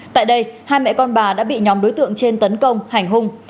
tại đây hai mẹ con bà đã bị nhóm đối tượng trên tấn công hành hung